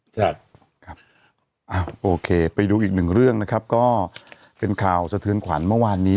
ครับครับโอเคไปดูอีกหนึ่งเรื่องนะครับก็เป็นข่าวสะเทือนขวัญเมื่อวานนี้